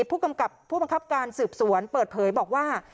ผู้กำกับผู้มันครับการสืบสวนเปิดเผยบอกว่า